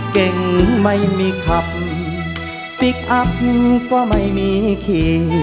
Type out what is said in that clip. เก่งไม่มีคับฟิกอัพก็ไม่มีเค